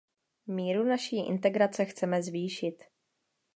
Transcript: Míru naší integrace chceme zvýšit.